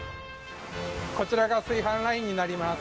こちらが炊飯ラインになります。